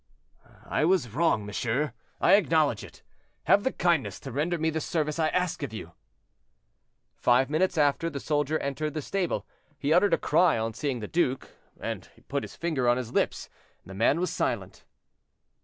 "I was wrong, monsieur, I acknowledge it; have the kindness to render me the service I ask of you." Five minutes after, the soldier entered the stable. He uttered a cry on seeing the duke; but he put his finger on his lip, and the man was silent.